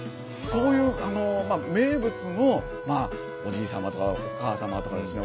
そういう名物のおじい様とかおかあ様とかですね